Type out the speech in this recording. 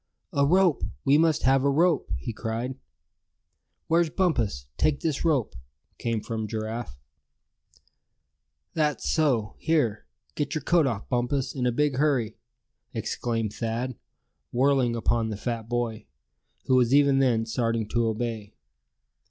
"A rope! We must have a rope!" he cried. "Where's Bumpus? Take this rope!" came from Giraffe. "That's so; here, get your coat off, Bumpus, in a big hurry!" exclaimed Thad, whirling upon the fat boy, who was even then starting to obey.